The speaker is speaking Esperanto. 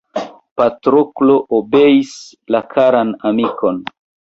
Patroklo obeis la karan amikon.